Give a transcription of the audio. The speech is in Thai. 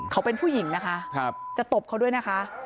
เขาเป็นผู้หญิงนะคะจะตบเขาด้วยนะคะ